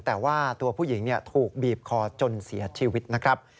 แต่ว่าตัวผู้หญิงถูกบีบคอจนเสียชีวิตนะครับ